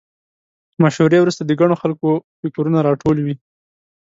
مشورې وروسته د ګڼو خلکو فکرونه راټول وي.